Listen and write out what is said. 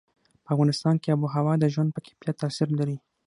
په افغانستان کې آب وهوا د ژوند په کیفیت تاثیر لري.